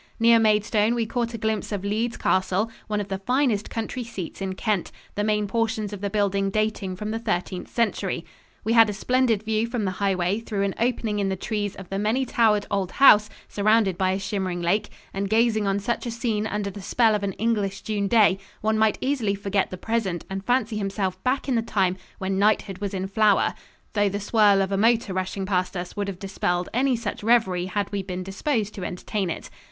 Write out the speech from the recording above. Near Maidstone we caught a glimpse of Leeds Castle, one of the finest country seats in Kent, the main portions of the building dating from the Thirteenth Century. We had a splendid view from the highway through an opening in the trees of the many towered old house surrounded by a shimmering lake, and gazing on such a scene under the spell of an English June day, one might easily forget the present and fancy himself back in the time when knighthood was in flower, though the swirl of a motor rushing past us would have dispelled any such reverie had we been disposed to entertain it.